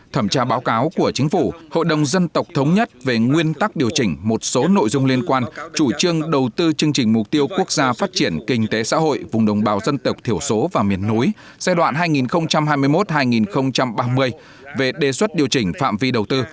thẩm tra báo cáo của chính phủ hội đồng dân tộc thống nhất về nguyên tắc điều chỉnh một số nội dung liên quan chủ trương đầu tư chương trình mục tiêu quốc gia phát triển kinh tế xã hội vùng đồng bào dân tộc thiểu số và miền núi giai đoạn hai nghìn hai mươi một hai nghìn ba mươi về đề xuất điều chỉnh phạm vi đầu tư